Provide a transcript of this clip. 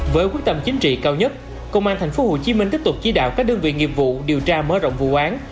với quyết tâm chính trị cao nhất công an tp hcm tiếp tục chỉ đạo các đơn vị nghiệp vụ điều tra mở rộng vụ án